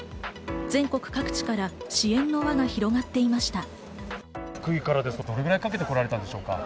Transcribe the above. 全国各地から支援の輪が広がっていました。